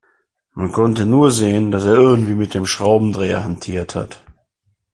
Man konnte nur sehen, dass er irgendwie mit dem Schraubendreher hantiert hat.